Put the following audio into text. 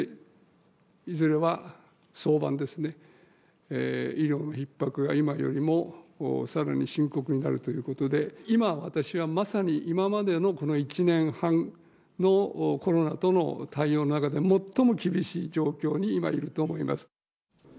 いずれは、早晩ですね、医療のひっ迫が今よりもさらに深刻になるということで、今、私はまさに、今までのこの１年半のコロナとの対応の中で、最も厳しい状況に今、いると思います。